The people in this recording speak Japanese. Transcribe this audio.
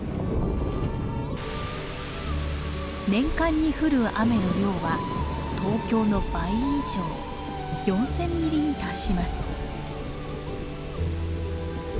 年間に降る雨の量は東京の倍以上４，０００ミリに達します。